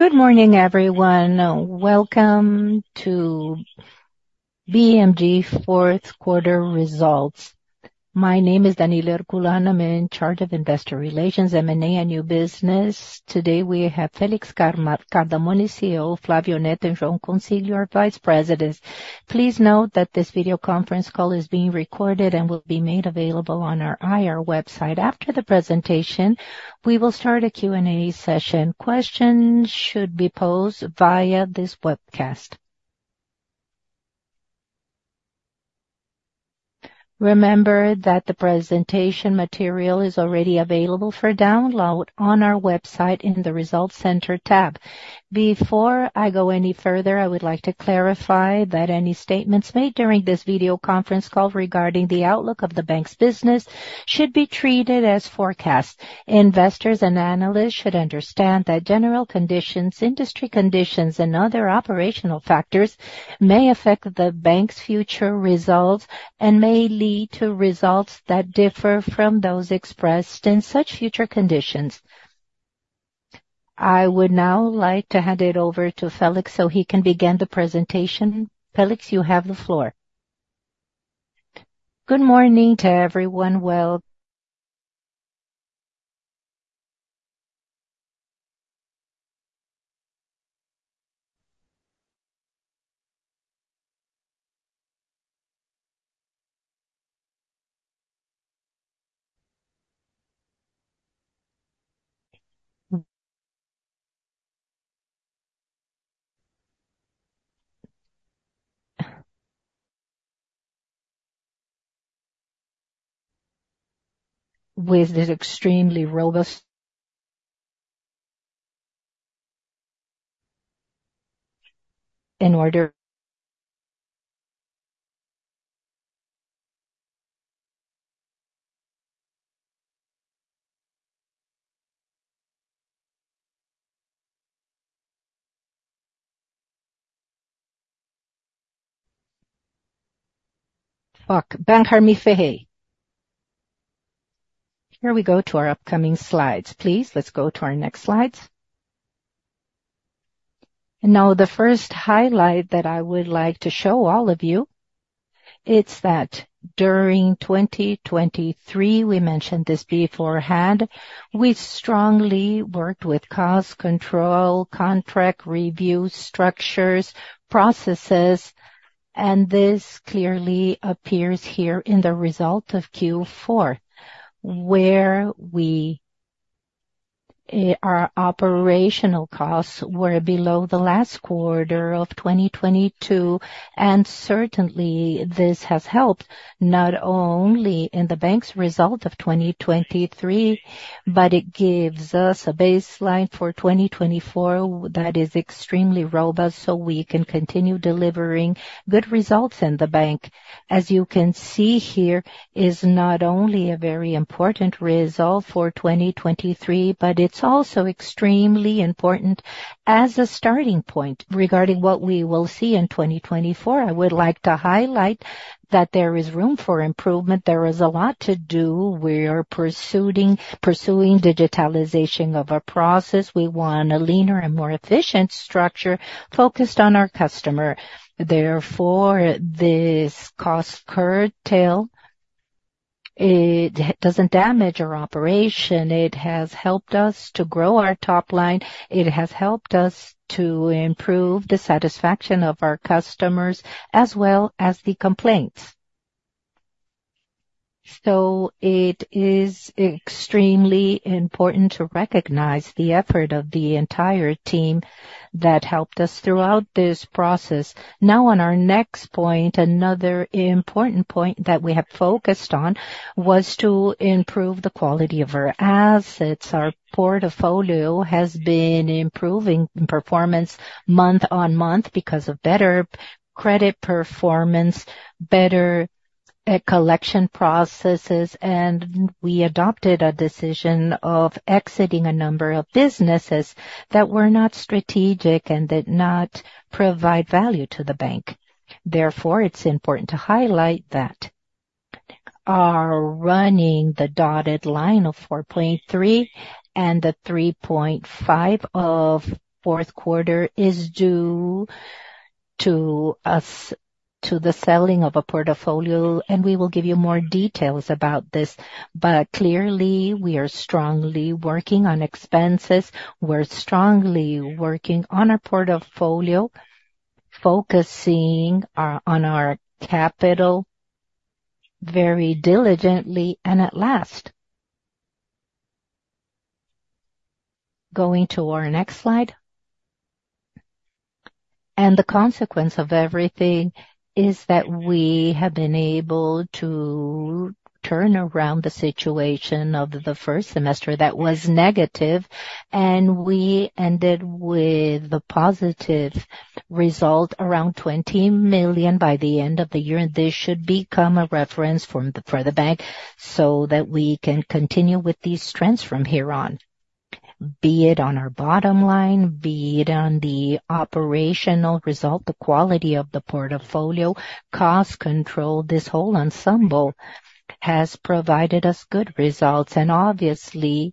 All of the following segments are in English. Good morning, everyone. Welcome to BMG fourth quarter results. My name is Danilo Herculano. I'm in charge of investor relations, M&A, and new business. Today, we have Felix Cardamone, CEO, Flávio Neto and João Consiglio, our vice presidents. Please note that this video conference call is being recorded and will be made available on our IR website. After the presentation, we will start a Q&A session. Questions should be posed via this webcast. Remember that the presentation material is already available for download on our website in the Results Center tab. Before I go any further, I would like to clarify that any statements made during this video conference call regarding the outlook of the bank's business should be treated as forecast. Investors and analysts should understand that general conditions, industry conditions, and other operational factors may affect the bank's future results and may lead to results that differ from those expressed in such future conditions. I would now like to hand it over to Felix so he can begin the presentation. Felix, you have the floor. Good morning to everyone. Here we go to our upcoming slides. Please, let's go to our next slides. Now, the first highlight that I would like to show all of you, it's that during 2023, we mentioned this beforehand, we strongly worked with cost control, contract review, structures, processes, and this clearly appears here in the result of Q4, where we, our operational costs were below the last quarter of 2022, and certainly this has helped not only in the bank's result of 2023, but it gives us a baseline for 2024 that is extremely robust, so we can continue delivering good results in the bank. As you can see here, is not only a very important result for 2023, but it's also extremely important as a starting point regarding what we will see in 2024. I would like to highlight that there is room for improvement. There is a lot to do. We are pursuing digitalization of our process. We want a leaner and more efficient structure focused on our customer. Therefore, this cost curtail, it doesn't damage our operation. It has helped us to grow our top line. It has helped us to improve the satisfaction of our customers as well as the complaints. So it is extremely important to recognize the effort of the entire team that helped us throughout this process. Now, on our next point, another important point that we have focused on was to improve the quality of our assets. Our portfolio has been improving in performance month-on-month because of better credit performance, better collection processes, and we adopted a decision of exiting a number of businesses that were not strategic and did not provide value to the bank. Therefore, it's important to highlight that we're running the dotted line of 4.3 and the 3.5 of fourth quarter is due to the selling of a portfolio, and we will give you more details about this. But clearly, we are strongly working on expenses. We're strongly working on our portfolio, focusing on, on our capital very diligently and at least. Going to our next slide. The consequence of everything is that we have been able to turn around the situation of the first semester that was negative, and we ended with a positive result, around 20 million by the end of the year. This should become a reference for, for the bank so that we can continue with these trends from here on, be it on our bottom line, be it on the operational result, the quality of the portfolio, cost control. This whole ensemble has provided us good results, and obviously,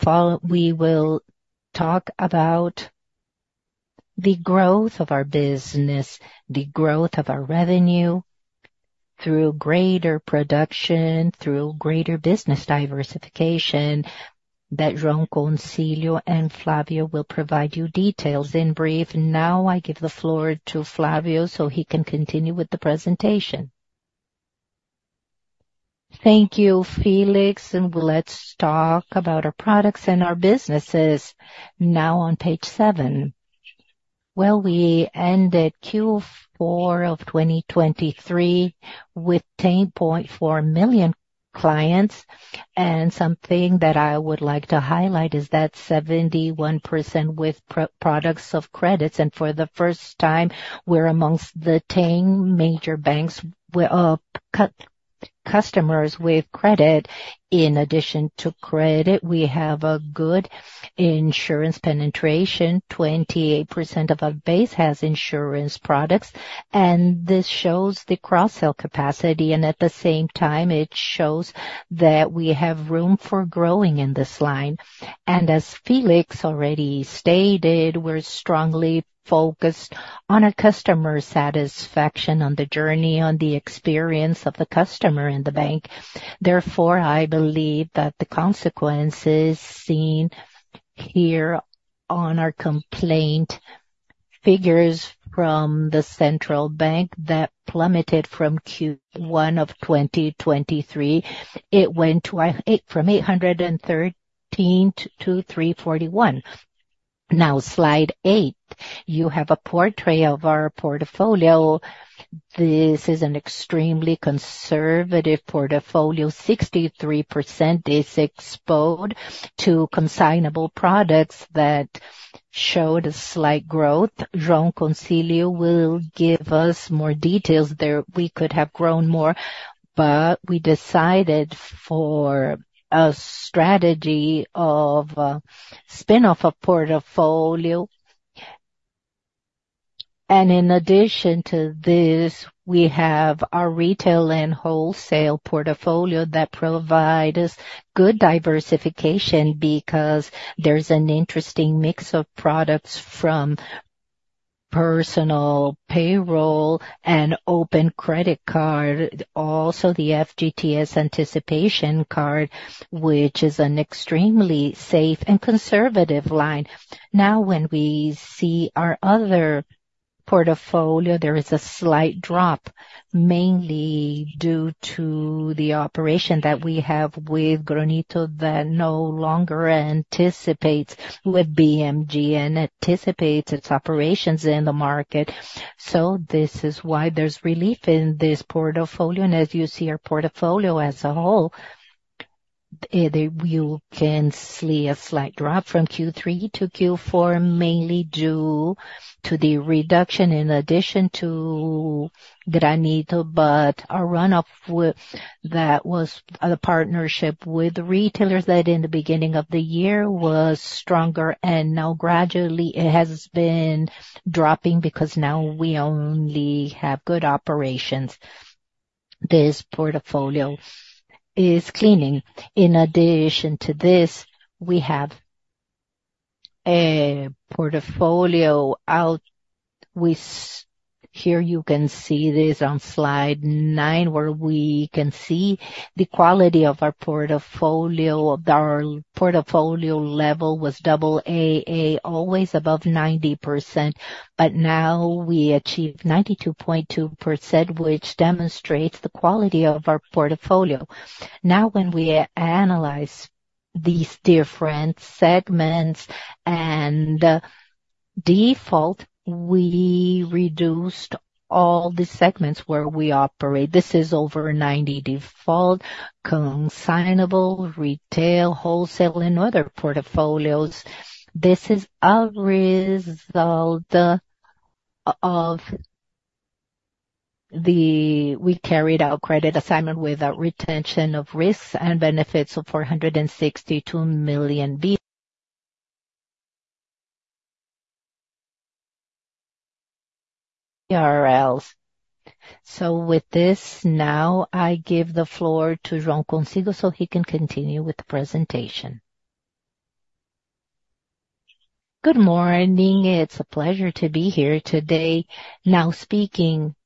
the growth of our business, the growth of our revenue through greater production, through greater business diversification, that João Consiglio and Flávio will provide you details. In brief, now I give the floor to Flávio so he can continue with the presentation. Thank you, Felix, and let's talk about our products and our businesses now on page seven. Well, we ended Q4 of 2023 with 10.4 million clients, and something that I would like to highlight is that 71% with pro- products of credits, and for the first time, we're amongst the 10 major banks where customers with credit. In addition to credit, we have a good insurance penetration. 28% of our base has insurance products, and this shows the cross-sell capacity, and at the same time, it shows that we have room for growing in this line. As Felix already stated, we're strongly focused on a customer satisfaction, on the journey, on the experience of the customer in the bank. Therefore, I believe that the consequences seen here on our complaint figures from the central bank that plummeted from Q1 of 2023, it went to eight, from 813 to 341. Now, Slide 8, you have a portrayal of our portfolio. This is an extremely conservative portfolio. 63% is exposed to consignado products that showed a slight growth. João Consiglio will give us more details there. We could have grown more, but we decided for a strategy of spin-off a portfolio. And in addition to this, we have our retail and wholesale portfolio that provide us good diversification because there's an interesting mix of products from personal, payroll, and open credit card, also the FGTS anticipation card, which is an extremely safe and conservative line. Now, when we see our other portfolio, there is a slight drop, mainly due to the operation that we have with Granito, that no longer anticipates with BMG and anticipates its operations in the market. So this is why there's relief in this portfolio. And as you see our portfolio as a whole, you can see a slight drop from Q3 to Q4, mainly due to the reduction in addition to Granito. But our runoff with... That was a partnership with retailers that in the beginning of the year was stronger, and now gradually it has been dropping because now we only have good operations. This portfolio is cleaning. In addition to this, we have a portfolio out with. Here you can see this on Slide 9, where we can see the quality of our portfolio. Our portfolio level was double AA, always above 90%, but now we achieved 92.2%, which demonstrates the quality of our portfolio. Now, when we analyze these different segments and default, we reduced all the segments where we operate. This is over 90 default, consignado, retail, wholesale, and other portfolios. This is a result of the we carried out credit assignment with a retention of risks and benefits of 462 million BRL. So with this, now I give the floor to João Consiglio, so he can continue with the presentation. Good morning. It's a pleasure to be here today. Now, speaking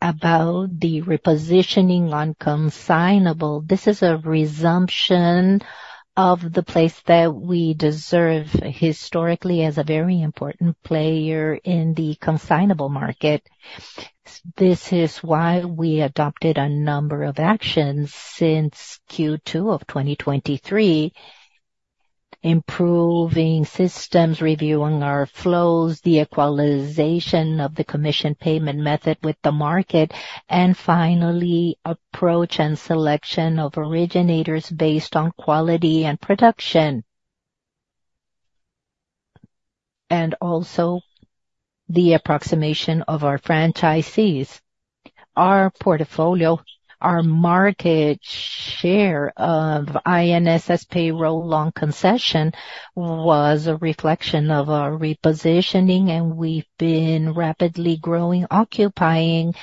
about the repositioning on consignado, this is a resumption of the place that we deserve historically as a very important player in the consignado market. This is why we adopted a number of actions since Q2 of 2023, improving systems, reviewing our flows, the equalization of the commission payment method with the market, and finally, approach and selection of originators based on quality and production, and also the approximation of our franchisees. Our portfolio, our market share of INSS payroll loan concession, was a reflection of our repositioning, and we've been rapidly growing, occupying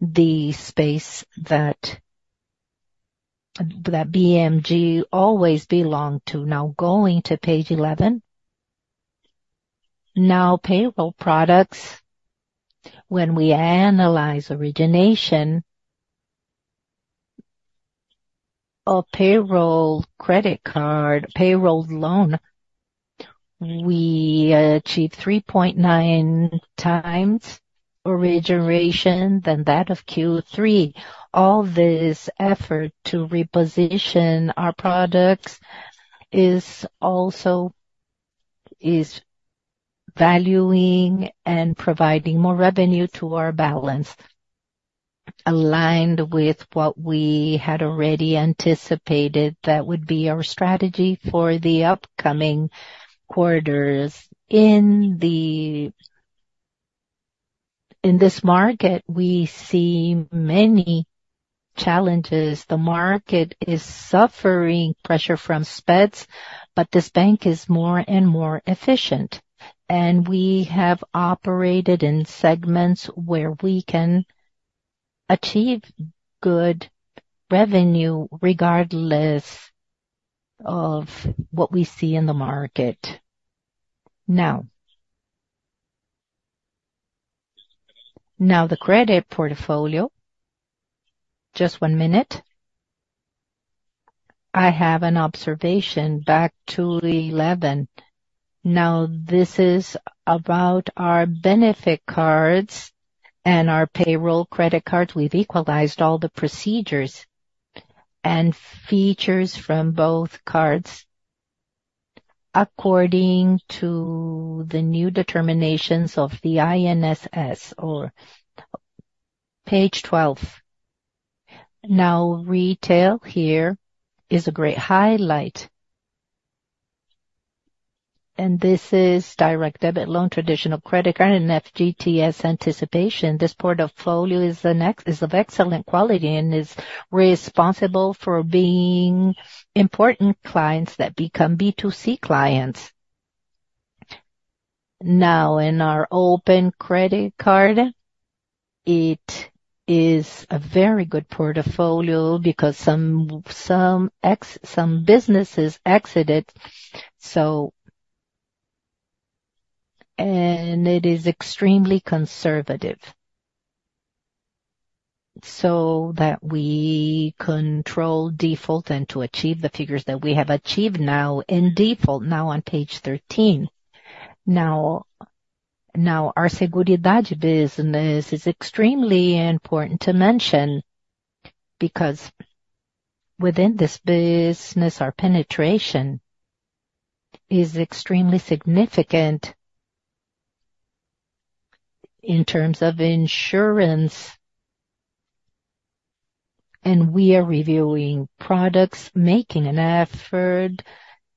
the space that BMG always belonged to. Now going to page 11. Now, payroll products, when we analyze origination of payroll credit card, payroll loan, we achieved 3.9 times origination than that of Q3. All this effort to reposition our products is also, is valuing and providing more revenue to our balance, aligned with what we had already anticipated. That would be our strategy for the upcoming quarters. In this market, we see many challenges. The market is suffering pressure from spreads, but this bank is more and more efficient, and we have operated in segments where we can achieve good revenue regardless of what we see in the market. Now, now, the credit portfolio. Just one minute. I have an observation. Back to eleven. Now, this is about our benefit cards and our payroll credit cards. We've equalized all the procedures and features from both cards according to the new determinations of the INSS. Or page 12. Now, retail here is a great highlight. This is direct debit loan, traditional credit card, and FGTS anticipation. This portfolio is excellent quality and is responsible for being important clients that become B2C clients. Now, in our open credit card, it is a very good portfolio because some businesses exited, so. It is extremely conservative, so that we control default and to achieve the figures that we have achieved now in default. Now on page 13. Now, our Seguridade business is extremely important to mention, because within this business, our penetration is extremely significant in terms of insurance. We are reviewing products, making an effort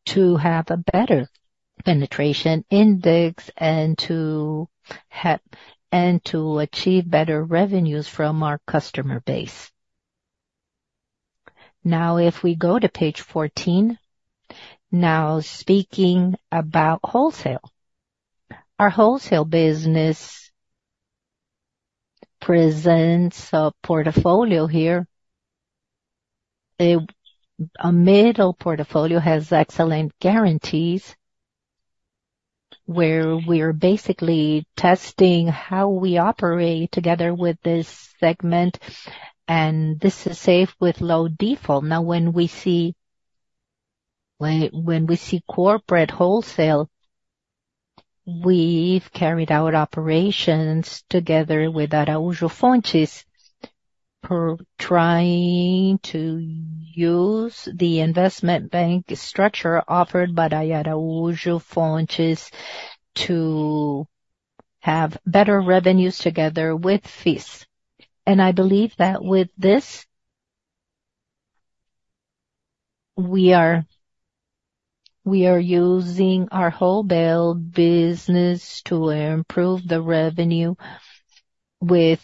to have a better penetration index and to have and to achieve better revenues from our customer base. Now, if we go to page 14. Now, speaking about wholesale. Our wholesale business presents a portfolio here. A middle portfolio has excellent guarantees, where we are basically testing how we operate together with this segment, and this is safe with low default. Now, when we see corporate wholesale, we've carried out operations together with Araújo Fontes, for trying to use the investment bank structure offered by Araújo Fontes to have better revenues together with fees. And I believe that with this, we are using our wholesale business to improve the revenue with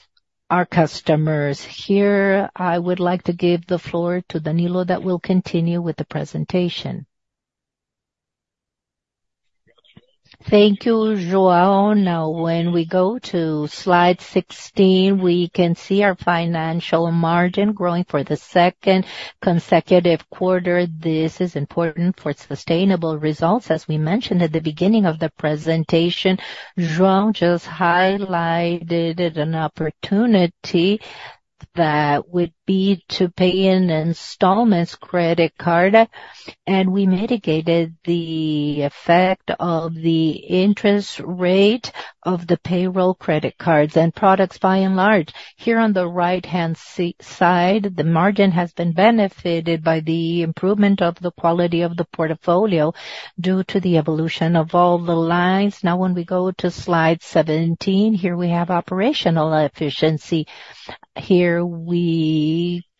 our customers. Here, I would like to give the floor to Danilo that will continue with the presentation. Thank you, João. Now, when we go to Slide 16, we can see our financial margin growing for the second consecutive quarter. This is important for sustainable results. As we mentioned at the beginning of the presentation, João just highlighted an opportunity that would be to pay in installments credit card, and we mitigated the effect of the interest rate of the payroll credit cards and products by and large. Here on the right-hand side, the margin has been benefited by the improvement of the quality of the portfolio due to the evolution of all the lines. Now, when we go to Slide 17, here we have operational efficiency. Here we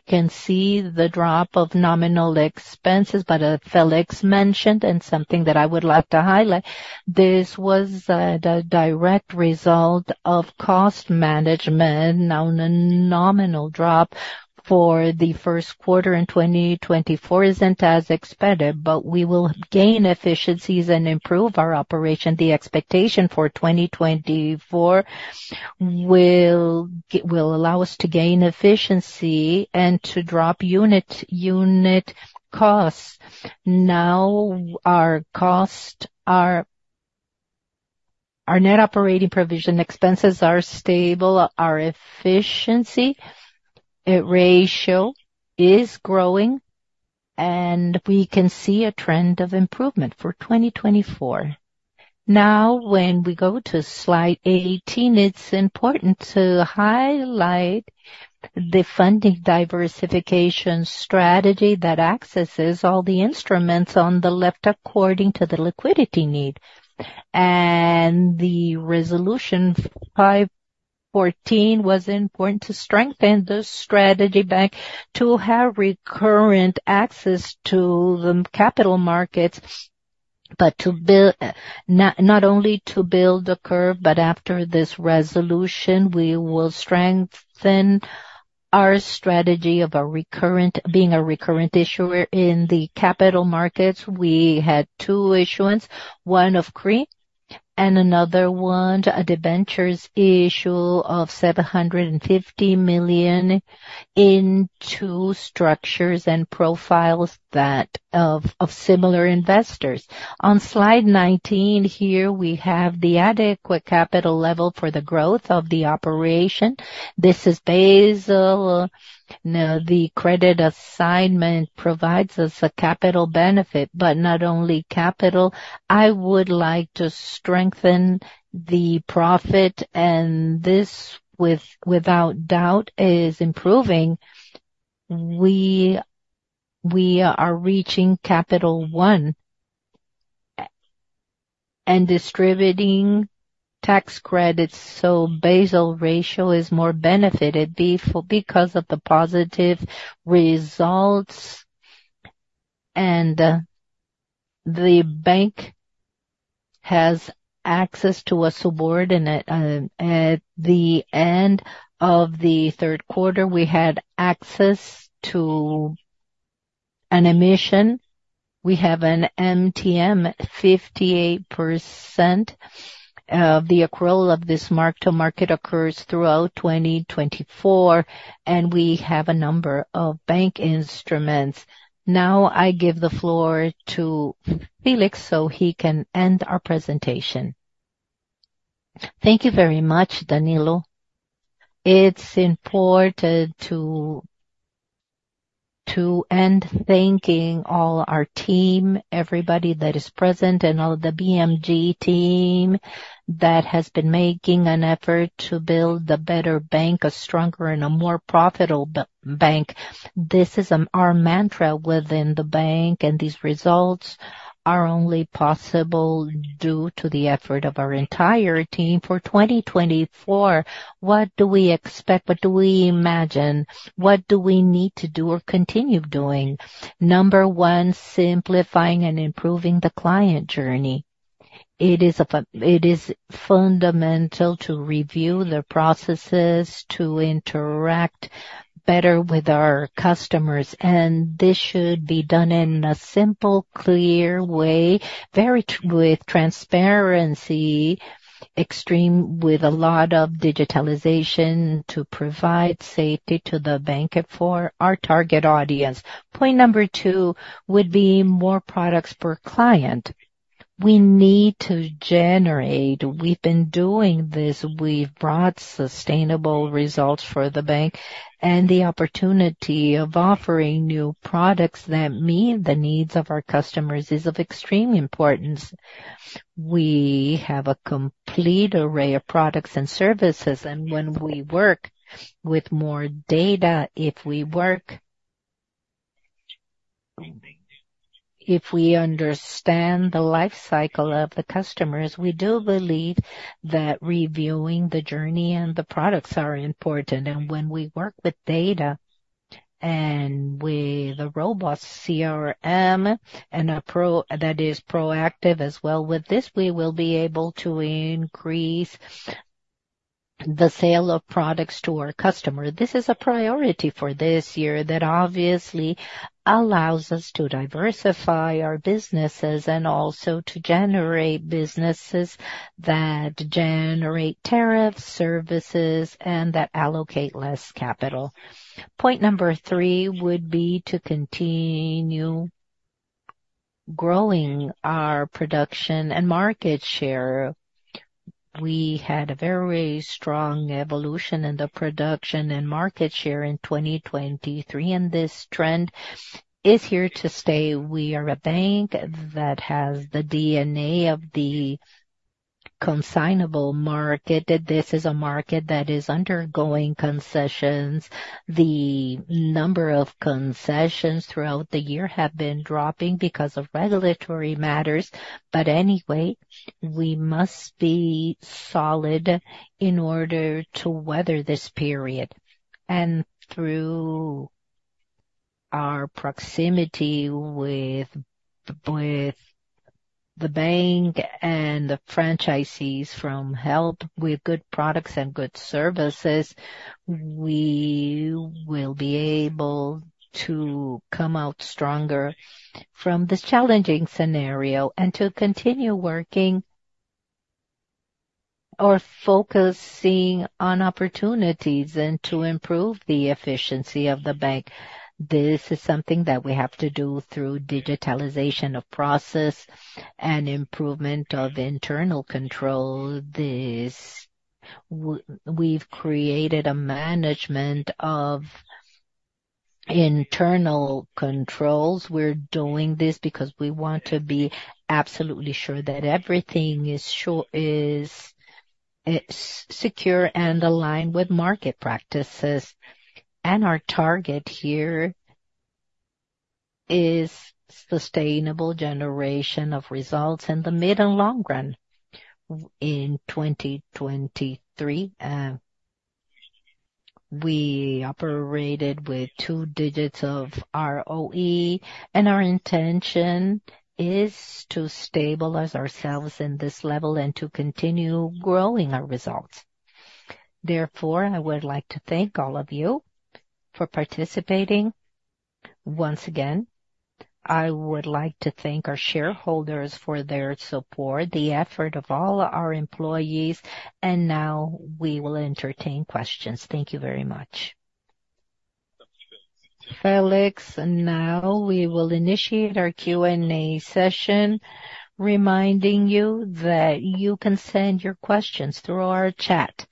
can see the drop of nominal expenses, but Felix mentioned, and something that I would like to highlight. This was the direct result of cost management. Now, the nominal drop for the first quarter in 2024 isn't as expected, but we will gain efficiencies and improve our operation. The expectation for 2024 will allow us to gain efficiency and to drop unit costs. Now, our cost, our net operating provision expenses are stable, our efficiency ratio is growing, and we can see a trend of improvement for 2024. Now, when we go to Slide 18, it's important to highlight the funding diversification strategy that accesses all the instruments on the left according to the liquidity need. The Resolution 514 was important to strengthen the strategy back to have recurrent access to the capital markets, but to build, not only to build the curve, but after this resolution, we will strengthen our strategy of being a recurrent issuer. In the capital markets, we had two issuance, one of CRI, and another one, a debentures issue of 750 million in two structures and profiles that of similar investors. On Slide 19, here, we have the adequate capital level for the growth of the operation. This is Basel. Now, the credit assignment provides us a capital benefit, but not only capital. I would like to strengthen the profit, and this, without doubt, is improving. We are reaching Tier 1 and distributing tax credits, so Basel ratio is more benefited because of the positive results, and the bank has access to a subordinate. At the end of the third quarter, we had access to an emission. We have an MTM 58%. The accrual of this mark-to-market occurs throughout 2024, and we have a number of bank instruments. Now, I give the floor to Felix, so he can end our presentation. Thank you very much, Danilo. It's important to end thanking all our team, everybody that is present and all the BMG team that has been making an effort to build a better bank, a stronger and a more profitable bank. This is our mantra within the bank, and these results are only possible due to the effort of our entire team. For 2024, what do we expect? What do we imagine? What do we need to do or continue doing? Number one: simplifying and improving the client journey. It is fundamental to review the processes to interact better with our customers, and this should be done in a simple, clear way, very with transparency, extreme, with a lot of digitalization, to provide safety to the bank and for our target audience. Point number two would be more products per client. We need to generate. We've been doing this. We've brought sustainable results for the bank, and the opportunity of offering new products that meet the needs of our customers is of extreme importance. We have a complete array of products and services, and when we work with more data, if we understand the life cycle of the customers, we do believe that reviewing the journey and the products are important. When we work with data and with a robust CRM and a proactive as well, with this, we will be able to increase the sale of products to our customer. This is a priority for this year that obviously allows us to diversify our businesses and also to generate businesses that generate tariffs, services, and that allocate less capital. Point number three would be to continue growing our production and market share. We had a very strong evolution in the production and market share in 2023, and this trend is here to stay. We are a bank that has the DNA of the consignado market. That this is a market that is undergoing concessions. The number of concessions throughout the year have been dropping because of regulatory matters. But anyway, we must be solid in order to weather this period. Our proximity with, with the bank and the franchisees from Help with good products and good services, we will be able to come out stronger from this challenging scenario and to continue working or focusing on opportunities and to improve the efficiency of the bank. This is something that we have to do through digitalization of process and improvement of internal control. This, we've created a management of internal controls. We're doing this because we want to be absolutely sure that everything is sure, is, secure and aligned with market practices. Our target here is sustainable generation of results in the mid and long run. In 2023, we operated with two digits of ROE, and our intention is to stabilize ourselves in this level and to continue growing our results. Therefore, I would like to thank all of you for participating. Once again, I would like to thank our shareholders for their support, the effort of all our employees, and now we will entertain questions. Thank you very much. Felix, and now we will initiate our Q&A session, reminding you that you can send your questions through our chat.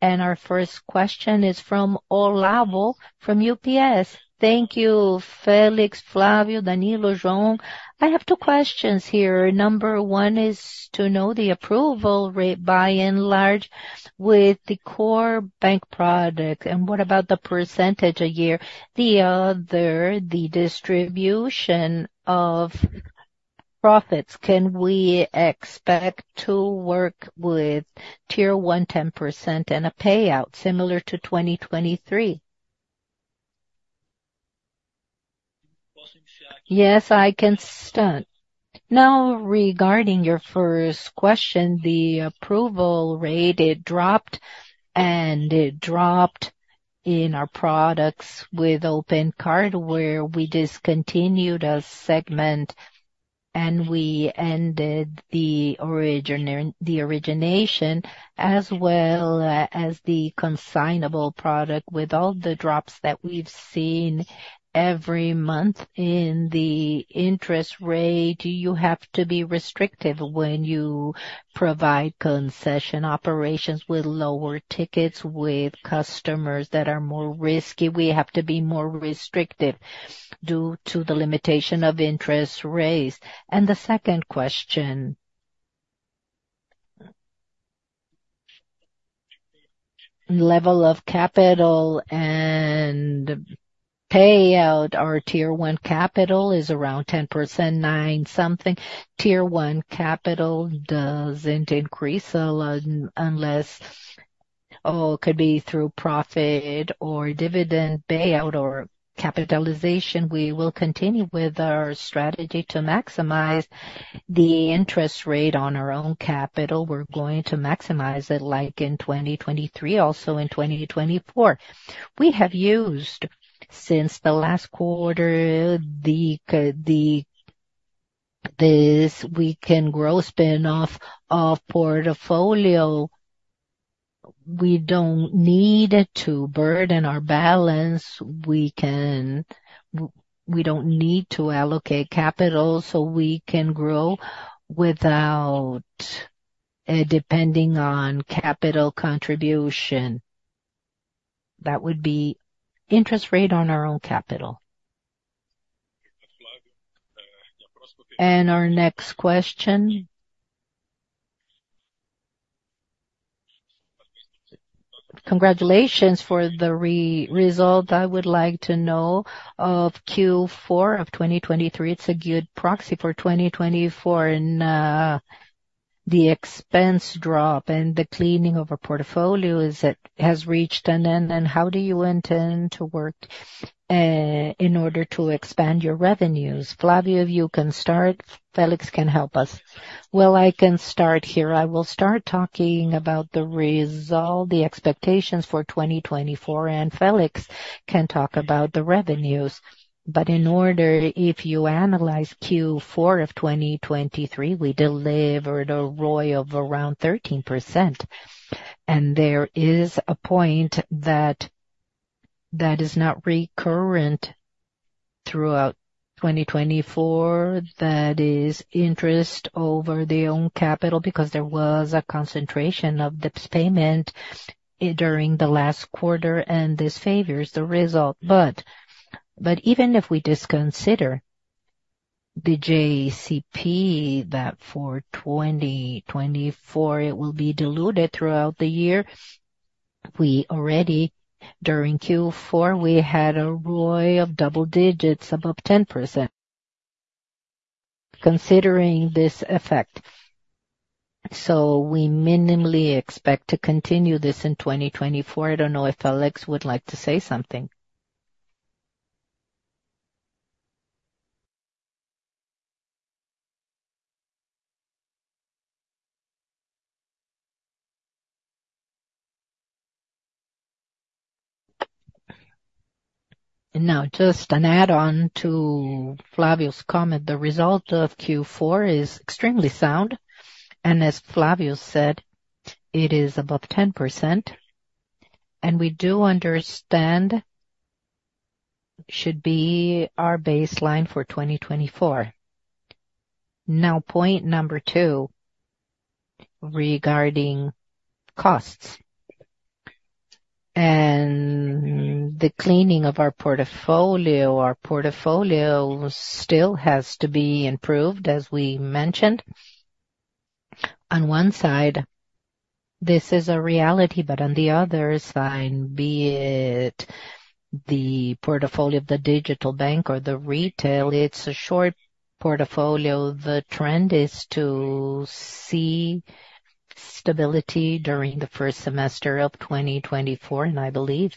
Our first question is from Olavo, from UBS BB. Thank you, Felix, Flávio, Danilo, João. I have two questions here. Number one is to know the approval rate, by and large, with the core bank product, and what about the percentage a year? The other, the distribution of profits. Can we expect to work with Tier 1, 10% and a payout similar to 2023? Yes, I can start. Now, regarding your first question, the approval rate, it dropped, and it dropped in our products with open card, where we discontinued a segment and we ended the origin, the origination, as well, as the consignado product. With all the drops that we've seen every month in the interest rate, you have to be restrictive when you provide concession operations with lower tickets, with customers that are more risky. We have to be more restrictive due to the limitation of interest rates. The second question. Level of capital and payout. Our Tier 1 capital is around 10%, 9 something. Tier 1 capital doesn't increase a lot unless... Oh, it could be through profit or dividend payout or capitalization. We will continue with our strategy to maximize the interest rate on our own capital. We're going to maximize it, like in 2023, also in 2024. We have used, since the last quarter, the this, we can grow spin off of portfolio. We don't need to burden our balance. We can. We don't need to allocate capital, so we can grow without depending on capital contribution. That would be interest rate on our own capital. Our next question. Congratulations for the result. I would like to know of Q4 of 2023. It's a good proxy for 2024, and the expense drop and the cleaning of our portfolios, it has reached an end. How do you intend to work in order to expand your revenues? Flávio, you can start. Felix can help us. Well, I can start here. I will start talking about the result, the expectations for 2024, and Felix can talk about the revenues. But in order, if you analyze Q4 of 2023, we delivered a ROE of around 13%. And there is a point that is not recurrent throughout 2024. That is interest over the own capital, because there was a concentration of JCP payment, during the last quarter, and this favors the result. But even if we just consider the JCP, that for 2024, it will be diluted throughout the year, we already, during Q4, we had a ROE of double digits, above 10%... considering this effect. So we minimally expect to continue this in 2024. I don't know if Alex would like to say something. And now just an add-on to Flávio's comment. The result of Q4 is extremely sound, and as Flávio said, it is above 10%, and we do understand should be our baseline for 2024. Now, point number two regarding costs and the cleaning of our portfolio. Our portfolio still has to be improved, as we mentioned. On one side, this is a reality, but on the other side, be it the portfolio of the digital bank or the retail, it's a short portfolio. The trend is to see stability during the first semester of 2024, and I believe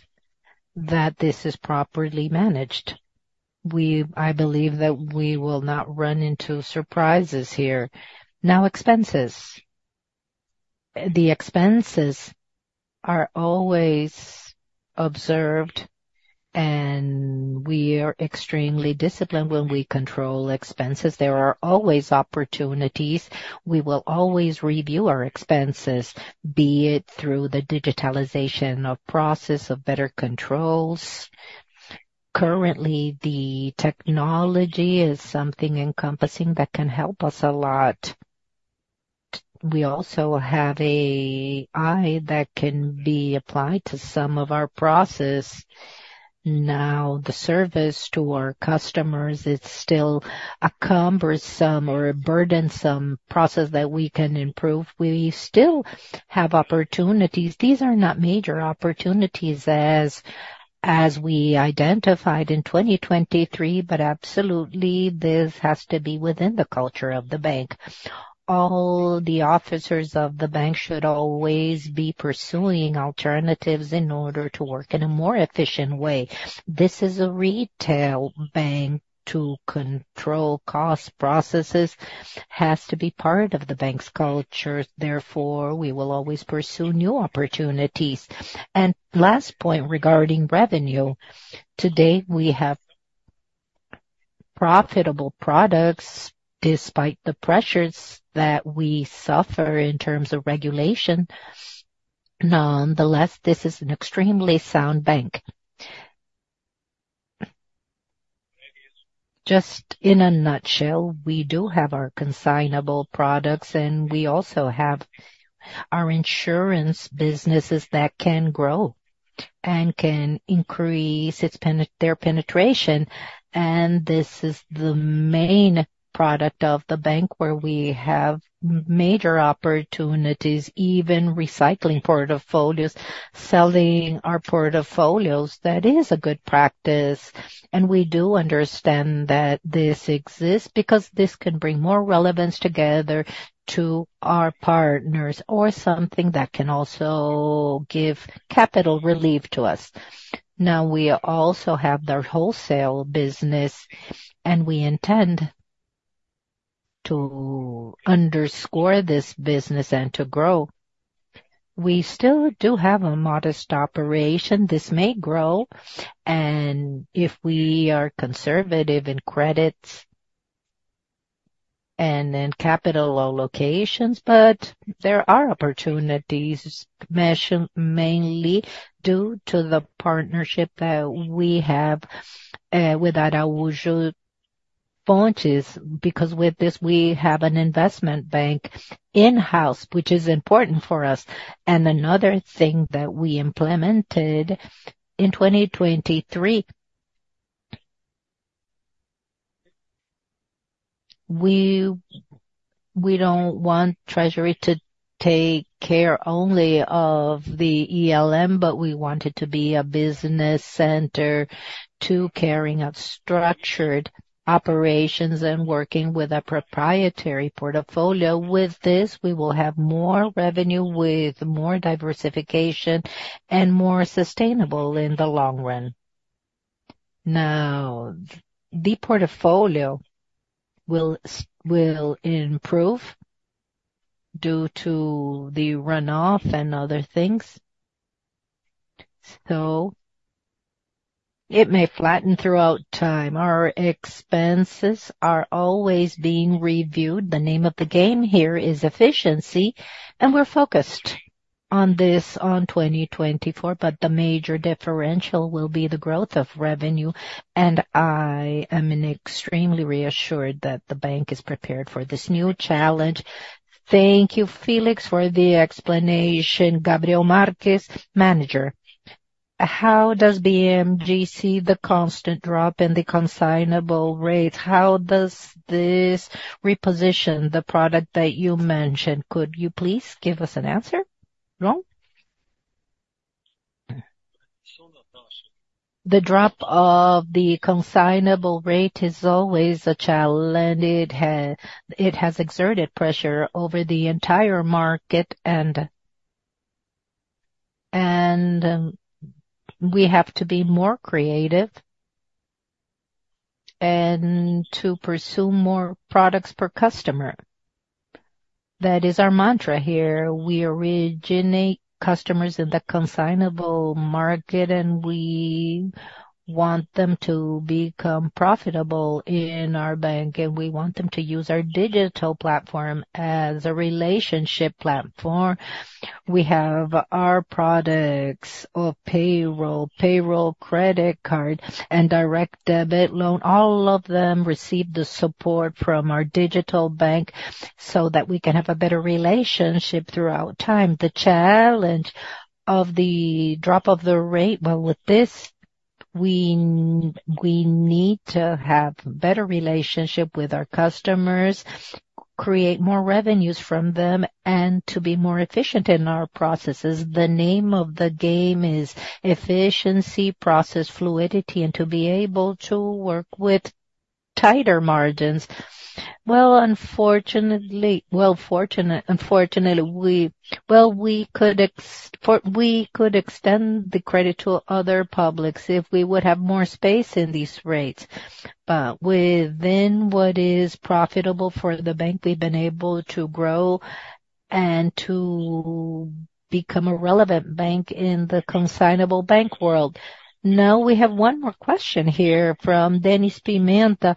that this is properly managed. I believe that we will not run into surprises here. Now, expenses. The expenses are always observed, and we are extremely disciplined when we control expenses. There are always opportunities. We will always review our expenses, be it through the digitalization of process, of better controls. Currently, the technology is something encompassing that can help us a lot. We also have AI that can be applied to some of our process. Now, the service to our customers, it's still a cumbersome or a burdensome process that we can improve. We still have opportunities. These are not major opportunities as we identified in 2023, but absolutely, this has to be within the culture of the bank. All the officers of the bank should always be pursuing alternatives in order to work in a more efficient way. This is a retail bank. To control cost processes has to be part of the bank's culture, therefore, we will always pursue new opportunities. Last point regarding revenue. Today, we have profitable products despite the pressures that we suffer in terms of regulation. Nonetheless, this is an extremely sound bank. Just in a nutshell, we do have our consignado products, and we also have our insurance businesses that can grow and can increase their penetration. This is the main product of the bank, where we have major opportunities, even recycling portfolios, selling our portfolios. That is a good practice, and we do understand that this exists because this can bring more relevance together to our partners or something that can also give capital relief to us. Now, we also have the wholesale business, and we intend to underscore this business and to grow. We still do have a modest operation. This may grow, and if we are conservative in credits and in capital allocations, but there are opportunities measured mainly due to the partnership that we have with Araújo Fontes, because with this, we have an investment bank in-house, which is important for us. Another thing that we implemented in 2023, we don't want Treasury to take care only of the ALM, but we want it to be a business center to caring of structured operations and working with a proprietary portfolio. With this, we will have more revenue, with more diversification and more sustainable in the long run. Now, the portfolio will improve due to the runoff and other things, so it may flatten throughout time. Our expenses are always being reviewed. The name of the game here is efficiency, and we're focused on this in 2024, but the major differential will be the growth of revenue. I am extremely reassured that the bank is prepared for this new challenge. Thank you, Felix, for the explanation. Gabriel Marques, manager. How does BMG see the constant drop in the consignado rate? How does this reposition the product that you mentioned? Could you please give us an answer, no?... The drop of the consignado rate is always a challenge, and it has exerted pressure over the entire market, and we have to be more creative and to pursue more products per customer. That is our mantra here. We originate customers in the consignado market, and we want them to become profitable in our bank, and we want them to use our digital platform as a relationship platform. We have our products of payroll, payroll credit card, and direct debt loan. All of them receive the support from our digital bank so that we can have a better relationship throughout time. The challenge of the drop of the rate, well, with this, we need to have better relationship with our customers, create more revenues from them, and to be more efficient in our processes. The name of the game is efficiency, process fluidity, and to be able to work with tighter margins. Well, unfortunately, we could extend the credit to other publics if we would have more space in these rates. But within what is profitable for the bank, we've been able to grow and to become a relevant bank in the consignado bank world. Now, we have one more question here from Denis Pimenta.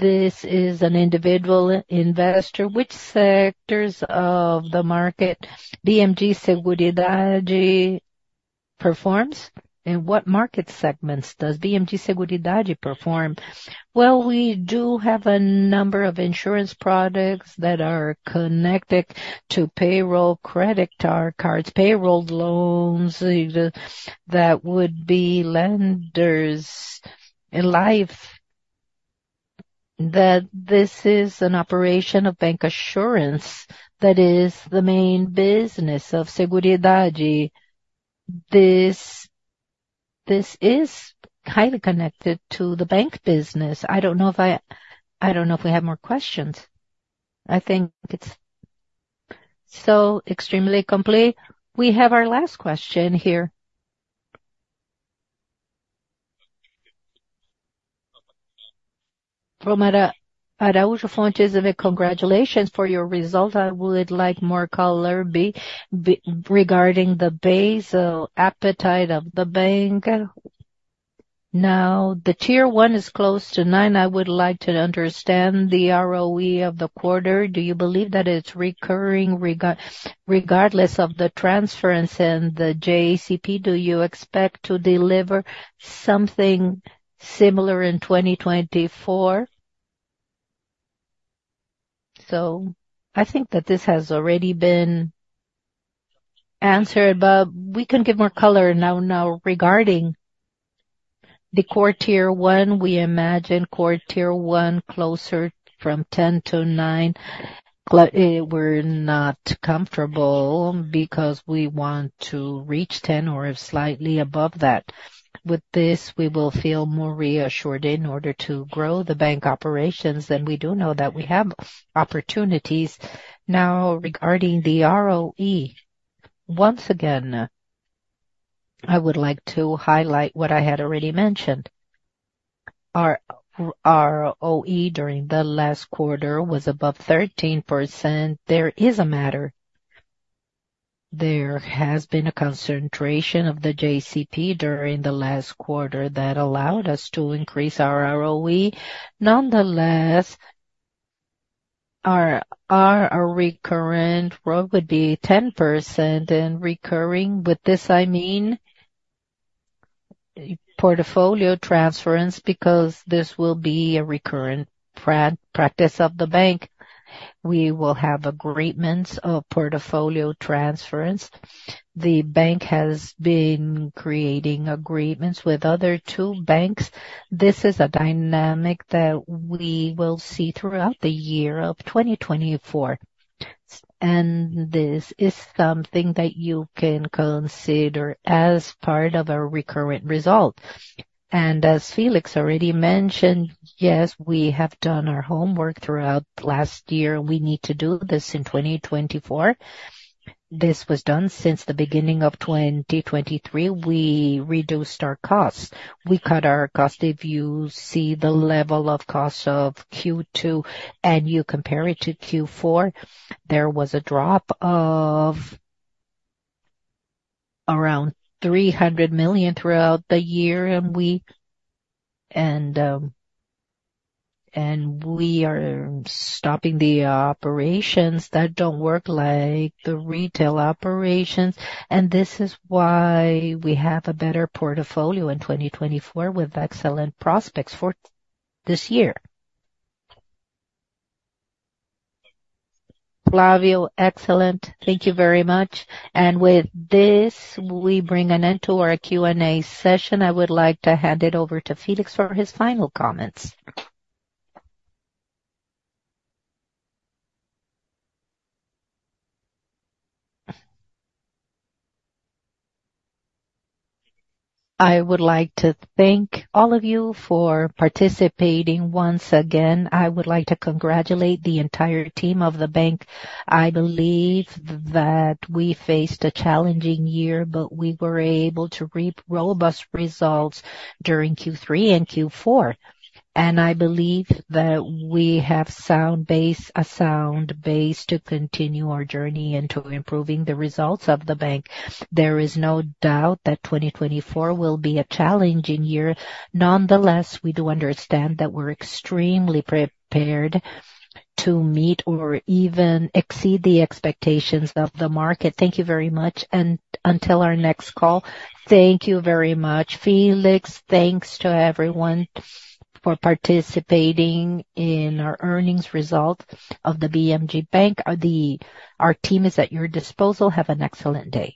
This is an individual investor. Which sectors of the market, BMG Seguridade performs, in what market segments does BMG Seguridade perform? Well, we do have a number of insurance products that are connected to payroll, credit cards, payroll loans, that would be lenders in life, that this is an operation of bancassurance. That is the main business of Seguridade. This, this is highly connected to the bank business. I don't know if we have more questions. I think it's so extremely complete. We have our last question here. From Araújo Fontes, and congratulations for your result. I would like more color regarding the Basel appetite of the bank. Now, the Tier 1 is close to 9. I would like to understand the ROE of the quarter. Do you believe that it's recurring regardless of the transference in the JCP, do you expect to deliver something similar in 2024? So I think that this has already been answered, but we can give more color now, now, regarding the core Tier 1. We imagine core Tier 1 closer from 10 to 9. We're not comfortable because we want to reach 10 or slightly above that. With this, we will feel more reassured in order to grow the bank operations, and we do know that we have opportunities. Now, regarding the ROE, once again, I would like to highlight what I had already mentioned. Our ROE during the last quarter was above 13%. There is a matter. There has been a concentration of the JCP during the last quarter that allowed us to increase our ROE. Nonetheless, our, our recurrent ROE would be 10% and recurring. With this, I mean, portfolio transference, because this will be a recurrent practice of the bank. We will have agreements of portfolio transference. The bank has been creating agreements with other two banks. This is a dynamic that we will see throughout the year of 2024, and this is something that you can consider as part of our recurrent result. As Felix already mentioned, yes, we have done our homework throughout last year. We need to do this in 2024. This was done since the beginning of 2023, we reduced our costs. We cut our costs. If you see the level of costs of Q2 and you compare it to Q4, there was a drop of around 300 million throughout the year, and we are stopping the operations that don't work, like the retail operations, and this is why we have a better portfolio in 2024, with excellent prospects for this year. Flávio, excellent. Thank you very much. With this, we bring an end to our Q&A session. I would like to hand it over to Felix for his final comments. I would like to thank all of you for participating once again. I would like to congratulate the entire team of the bank. I believe that we faced a challenging year, but we were able to reap robust results during Q3 and Q4. I believe that we have sound base, a sound base to continue our journey into improving the results of the bank. There is no doubt that 2024 will be a challenging year. Nonetheless, we do understand that we're extremely prepared to meet or even exceed the expectations of the market. Thank you very much, and until our next call. Thank you very much, Felix. Thanks to everyone for participating in our earnings result of the Banco BMG. Our team is at your disposal. Have an excellent day.